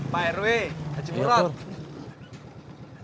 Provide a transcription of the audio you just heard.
pak rw haji pulak